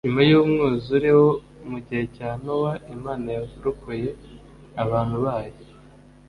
nyuma y umwuzure wo mu gihe cya nowa imana yarokoye abantu bayo